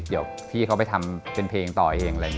เดี๋ยวพี่เขาไปทำเป็นเพลงต่อเอง